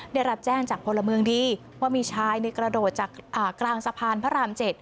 ได้รับแจ้งจากพลเมืองดีว่ามีชายในกระโดดจากกลางสะพานพระราม๗